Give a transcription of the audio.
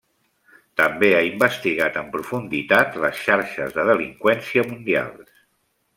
També ha investigat en profunditat les xarxes de delinqüència mundials.